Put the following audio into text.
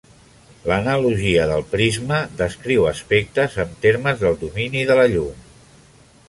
L'analogia del prisma descriu aspectes amb termes del domini de la llum.